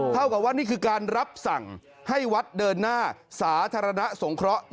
เท่ากับว่านี่คือการรับสั่งให้วัดเดินหน้าสาธารณะสงเคราะห์